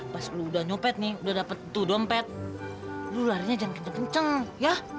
pas lu udah nyopet nih udah dapet tuh dompet lu larinya jangan kenceng kenceng ya